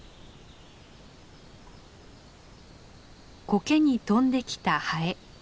コケに飛んできたハエ。